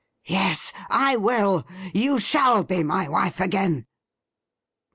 ' Yes, I will. You shall be my wife again.'